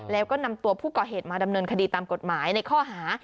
แล้วก็นำตัวผู้ก่อเหตุมาดำเนินคดีตามกฎหมายในข้อหา